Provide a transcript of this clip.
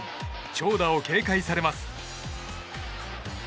長打を警戒されます。